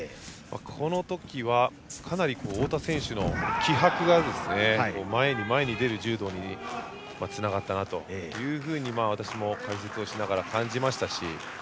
この時は、かなり太田選手の気迫が前に前に出る柔道につながったなというふうに私も解説をしながら感じましたし。